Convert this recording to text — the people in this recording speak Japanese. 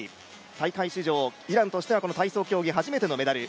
大会史上、イランとしてはこの体操競技史上初めてのメダル。